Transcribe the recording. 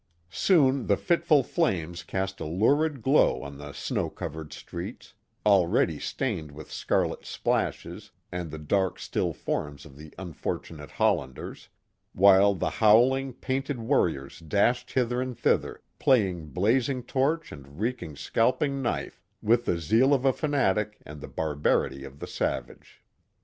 Soon the fitful flames cast a lurid glow on the snow covered streets, already stained with scarlet splashes and the dark still forms of the unfortunate Hollanders, while the howl ing, painted warriors dashed hither and thither, plying blazing torch and reeking scalping knife with the zeal of the fanatic and the barbarity of the savage.